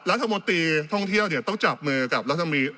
รัฐมนตรีท่องเที่ยวเนี่ยต้องจับมือกับรัฐมนตรี